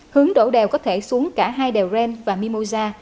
hướng đổ đèo có thể xuống cả hai đèo ren và mimosa